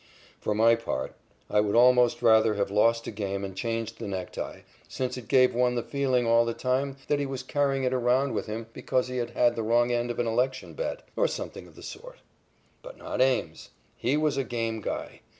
For my part, I would almost rather have lost a game and changed the necktie, since it gave one the feeling all the time that he was carrying it around with him because he had had the wrong end of an election bet, or something of the sort. But not Ames! He was a game guy.